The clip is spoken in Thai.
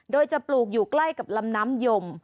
โดยจะปลูกอยู่ใกล้กับลำน้ำยม